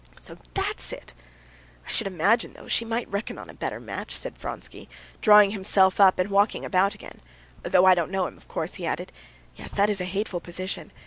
"So that's it! I should imagine, though, she might reckon on a better match," said Vronsky, drawing himself up and walking about again, "though I don't know him, of course," he added. "Yes, that is a hateful position!